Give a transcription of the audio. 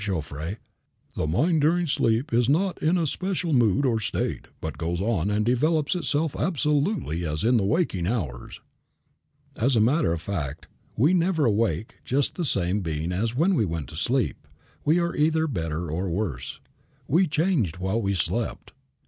Jouffroy. "The mind during sleep is not in a special mood or state, but it goes on and develops itself absolutely as in the waking hours." As a matter of fact we never awake just the same being as when we went to sleep. We are either better or worse. We changed while we slept.